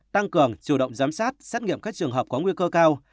tăng cường chủ động giám sát xét nghiệm các trường hợp có nguy cơ cao